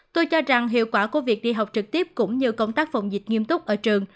tôi cho rằng hiệu quả của việc đi học trực tiếp cũng như công tác phòng dịch nghiêm túc ở trường